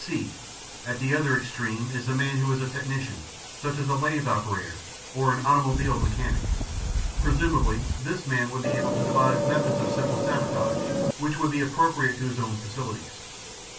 (c) At the other extreme is the man who is a technician, such as a lathe operator or an automobile mechanic. Presumably this man would be able to devise methods of simple sabotage which would be appropriate to his own facilities.